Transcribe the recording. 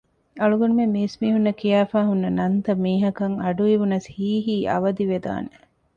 އަޅުގަނޑުމެން މީސްމީހުންނަށް ކިޔާފައި ހުންނަ ނަންތައް މީހަކަށް އަޑުއިވުނަސް ހީނހީނ އަވަދިވެދާނެ